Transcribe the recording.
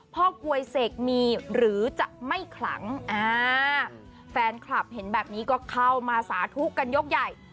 กวยเสกมีหรือจะไม่ขลังอ่าแฟนคลับเห็นแบบนี้ก็เข้ามาสาธุกันยกใหญ่